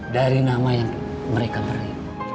dari nama yang mereka beri